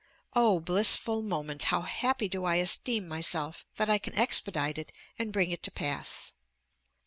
Oh, blissful moment! how happy do I esteem myself that I can expedite it and bring it to pass!